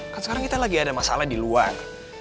kan sekarang kita lagi ada masalah di luar